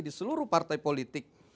di seluruh partai politik